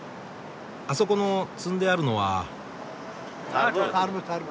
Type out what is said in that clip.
あそこの積んであるのは。